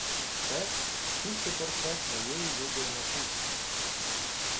Це ж — чистий портрет моєї любої матусі.